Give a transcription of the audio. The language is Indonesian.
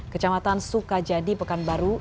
kecamatan sukajadi pekanbangan di jalan durian